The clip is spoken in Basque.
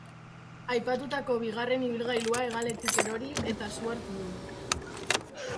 Aipatutako bigarren ibilgailua hegaletik erori, eta su hartu du.